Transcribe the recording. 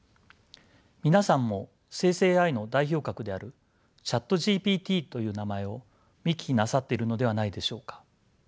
皆さんも生成ＡＩの代表格であるＣｈａｔＧＰＴという名前を見聞きなさっているのではないでしょうか。